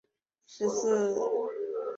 冰岛马是发展自冰岛的一个马品种。